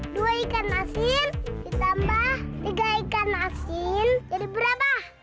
dua ikan nasi ditambah tiga ikan nasi jadi berapa